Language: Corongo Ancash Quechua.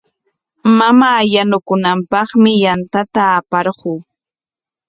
Mamaa yanukunanpaqmi yantata aparquu.